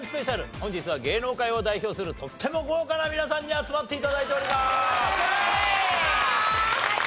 本日は芸能界を代表するとっても豪華な皆さんに集まって頂いております！